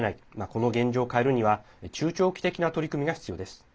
この現状を変えるには中長期的な取り組みが必要です。